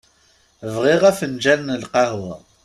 Bɣiɣ afenǧal n lqehwa.